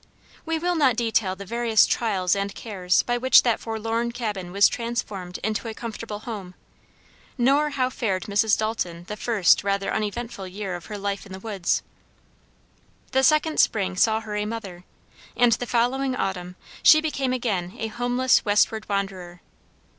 We will not detail the various trials and cares by which that forlorn cabin was transformed into a comfortable home, nor how fared Mrs. Dalton the first rather uneventful year of her life in the woods. The second spring saw her a mother, and the following autumn she became again a homeless westward wanderer.